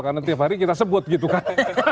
karena tiap hari kita sebut gitu kan